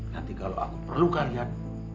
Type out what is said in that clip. nanti kalau aku perlu kalian